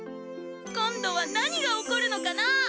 今度は何が起こるのかな！